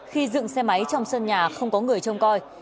khi dựng xe máy trong sân nhà không có người trông coi